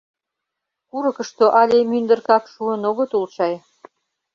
Курыкышто але мӱндыркак шуын огыт ул чай.